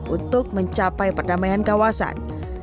untuk mencapai perdamaian kawasan